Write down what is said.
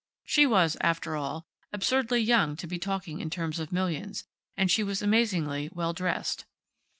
She was, after all, absurdly young to be talking in terms of millions, and she was amazingly well dressed.